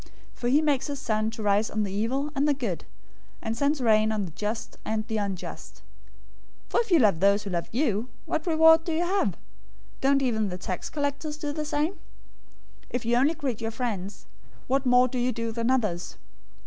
For he makes his sun to rise on the evil and the good, and sends rain on the just and the unjust. 005:046 For if you love those who love you, what reward do you have? Don't even the tax collectors do the same? 005:047 If you only greet your friends, what more do you do than others?